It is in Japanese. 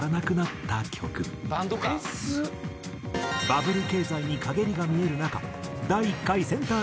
バブル経済に陰りが見える中第１回センター